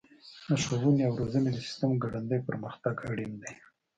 د ښوونې او روزنې د سیسټم ګړندی پرمختګ اړین دی.